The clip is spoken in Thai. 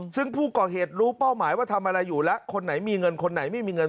ซึ่งผู้ก่อเหตุรู้เป้าหมายว่าทำอะไรอยู่แล้วคนไหนมีเงินคนไหนไม่มีเงิน